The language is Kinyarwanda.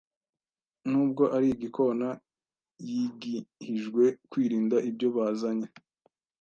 Nubwo ari igikona, yigihijwe kwirinda ibyo bazanye